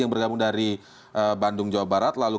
yang bergabung dari bandung jawa barat lalu